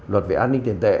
luật về an ninh tiền tệ